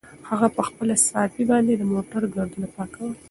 هغه په خپله صافه باندې د موټر ګردونه پاکول.